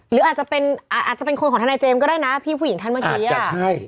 หรืออาจจะเป็นคนของทนายเจมส์ก็ได้นะพี่ผู้หญิงท่านเมื่อกี้อ่ะอาจจะใช่